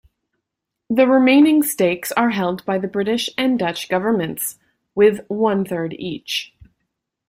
The remaining stakes are held by the British and Dutch governments, with one-third each.